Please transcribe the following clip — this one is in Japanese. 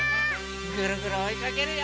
ぐるぐるおいかけるよ！